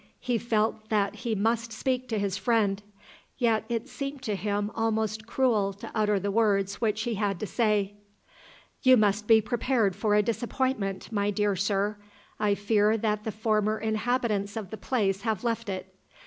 He felt that he must speak to his friend. Yet it seemed to him almost cruel to utter the words which he had to say. "You must be prepared for a disappointment, my dear sir. I fear that the former inhabitants of the place have left it.